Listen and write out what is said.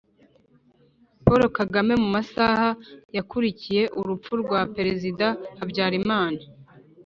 paul kagame mu masaha yakurikiye urupfu rwa perezida habyarimana.